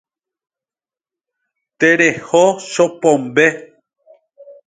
Tereho chopombe.